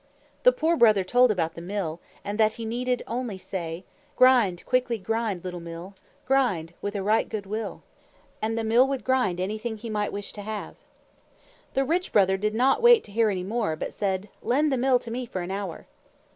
The Poor Brother told about the Mill, and that he need only say, "Grind, quickly grind, little Mill, Grind with a right good will!" And the Mill would grind anything he might wish to have. The Rich Brother did not wait to hear any more but said, "Lend the Mill to me for an hour."